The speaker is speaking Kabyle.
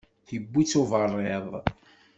Iwwi-tt uberriḍ.